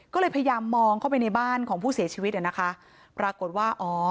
ก็เลยพยายามมองเข้าไปในบ้านของผู้เสียชีวิตอ่ะนะคะปรากฏว่าอ๋อ